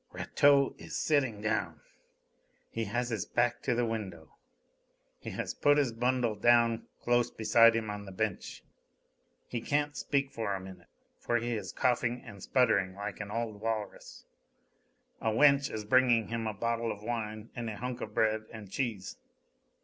"Rateau is sitting down ... he has his back to the window ... he has put his bundle down close beside him on the bench ... he can't speak for a minute, for he is coughing and spluttering like an old walrus.... A wench is bringing him a bottle of wine and a hunk of bread and cheese....